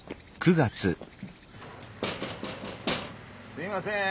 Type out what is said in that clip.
・すいません。